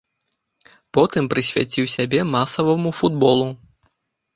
Потым прысвяціў сябе масаваму футболу.